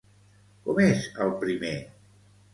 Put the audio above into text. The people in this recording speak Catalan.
Com és el primer?